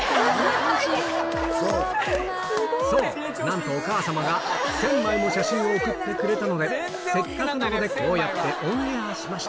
そう、なんとお母さまが１０００枚も写真を送ってくれたので、せっかくなのでこうやってオンエアしました。